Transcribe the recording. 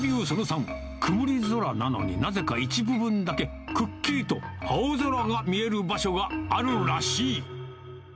その３、曇り空なのになぜか一部分だけくっきりと青空が見える場所があるらしい。